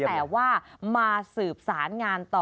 แต่ว่ามาสืบสารงานต่อ